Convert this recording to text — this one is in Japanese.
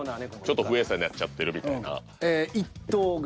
ちょっと不衛生になっちゃってるみたいな。